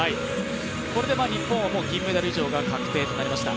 これで日本は銀メダル以上が確定となりました。